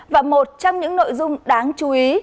và một trong những nội dung đáng chú ý